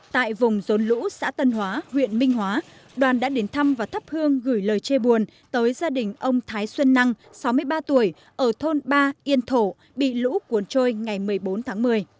tại vùng rốn lũ xã tân hóa huyện minh hóa đoàn đã đến thăm và thắp hương gửi lời chê buồn tới gia đình ông thái xuân năng sáu mươi ba tuổi ở thôn ba yên thổ bị lũ cuốn trôi ngày một mươi bốn tháng một mươi